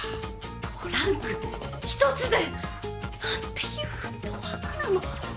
トランク１つで？なんていうフットワークなの！